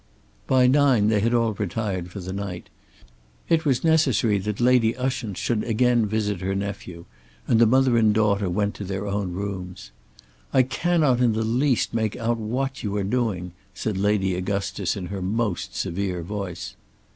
By nine they had all retired for the night. It was necessary that Lady Ushant should again visit her nephew, and the mother and daughter went to their own rooms. "I cannot in the least make out what you are doing," said Lady Augustus in her most severe voice.